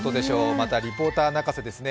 またリポーター泣かせですね。